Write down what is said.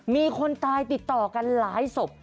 มีคนตายติดต่อกันหลายศพ